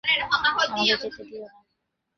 আমাকে যেতে দিও না।